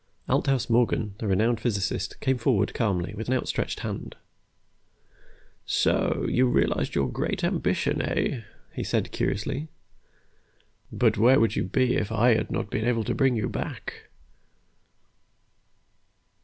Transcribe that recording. Althaus Morgan, the renowned physicist, came forward calmly, with outstretched hand. "So, you realized your great ambition, eh?" he said curiously. "But where would you be if I had not been able to bring you back?"